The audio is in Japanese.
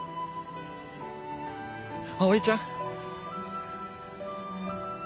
葵ちゃん？